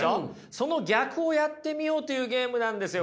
その逆をやってみようというゲームなんですよ